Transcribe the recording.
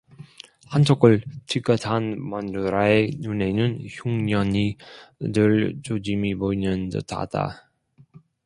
한쪽을 찌긋한 마누라의 눈에는 흉년이 들 조짐이 보이는 듯하다.